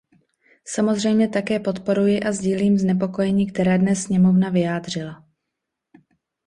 Samozřejmě také podporuji a sdílím znepokojení, které dnes sněmovna vyjádřila.